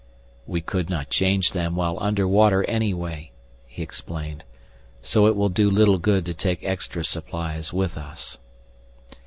"We could not change them while under water anyway," he explained. "So it will do little good to take extra supplies with us."